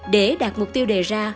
để đạt mục tiêu đề ra